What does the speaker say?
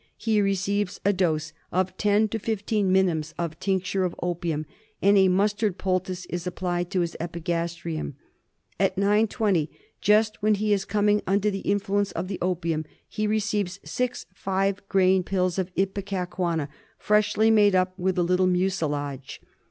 he receives a dose of 10 to 15 minims of tincture of opium, and a mustard poultice is applied to his epigastrium. At 9.20, just when he is coming under the influence of the opium, he receives 6 five grain pills of Ipecacuanha freshly made up with a little mucilage.